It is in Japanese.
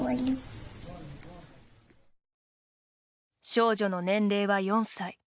少女の年齢は４歳。